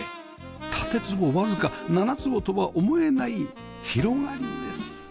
建坪わずか７坪とは思えない広がりです